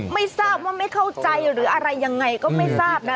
ไม่ทราบว่าไม่เข้าใจหรืออะไรยังไงก็ไม่ทราบนะ